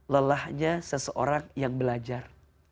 lelahnya seseorang yang belajar